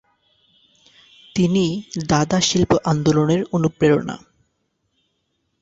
তিনি দাদা শিল্প আন্দোলনের অনুপ্রেরণা।